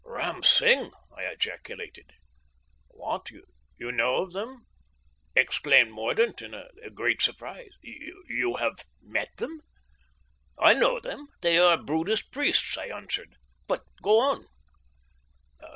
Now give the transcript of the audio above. "Ram Singh!" I ejaculated. "What, you know of them?" exclaimed Mordaunt in great surprise. "You have met them?" "I know of them. They are Buddhist priests," I answered, "but go on."